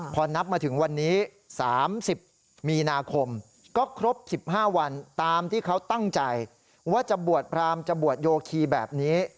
พอนับมาถึงวันนี้๓๐มีนาคมก็ครบ๑๕วันตามที่เขาตั้งใจว่าจะบวชพรามจะบวชโยคีแบบนี้